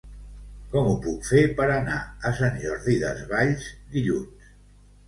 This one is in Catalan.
Com ho puc fer per anar a Sant Jordi Desvalls dilluns?